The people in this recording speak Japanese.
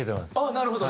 なるほど。